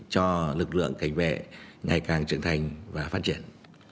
cho lực lượng cảnh vệ ngày càng trưởng thành và phát triển